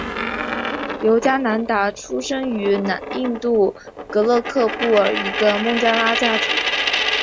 尤迦南达出生于印度戈勒克布尔一个孟加拉族家庭。